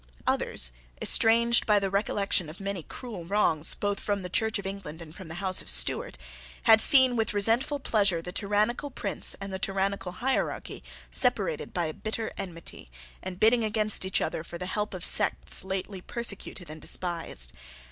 Others, estranged by the recollection of many cruel wrongs both from the Church of England and from the House of Stuart, had seen with resentful pleasure the tyrannical prince and the tyrannical hierarchy separated by a bitter enmity, and bidding against each other for the help of sects lately persecuted and despised.